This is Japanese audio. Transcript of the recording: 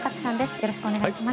よろしくお願いします。